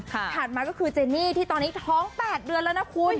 ถัดมาก็คือเจนี่ที่ตอนนี้ท้อง๘เดือนแล้วนะคุณ